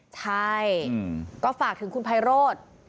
ใช่ก็ฝากถึงคุณไพโรธ